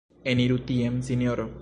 Eniru tien, Sinjoro.